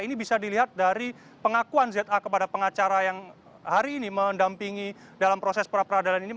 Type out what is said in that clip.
ini bisa dilihat dari pengakuan za kepada pengacara yang hari ini mendampingi dalam proses peradilan ini